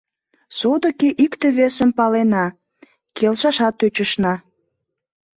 Содыки икте-весым палена, келшашат тӧчышна.